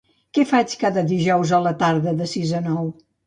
Què faig cada dijous a la tarda de sis a nou?